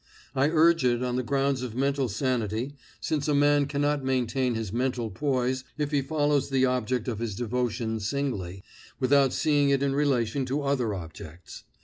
I urge it on the ground of mental sanity, since a man cannot maintain his mental poise if he follows the object of his devotion singly, without seeing it in relation to other objects.